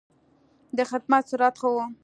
د خدمت سرعت ښه و.